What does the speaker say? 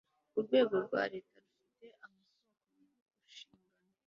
urwego rwa leta rufite amasoko mu nshingano